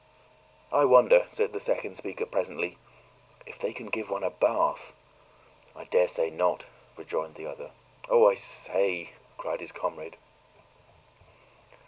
"I wonder," said the second speaker presently, "if they can give one a bath?" "I daresay not," rejoined the other. "Oh, I say!" cried his comrade.